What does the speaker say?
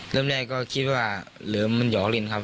เริ่มแรกก็คิดว่าเหลือมันหอลินครับ